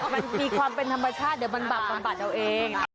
มันมีความเป็นธรรมชาติมันบำบัดเราเอง